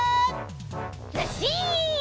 ずっしん！